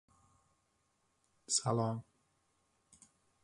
• Besh barmoq bir emas.